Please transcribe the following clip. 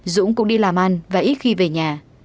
dũng cũng đi làm ăn và ít khi về nhà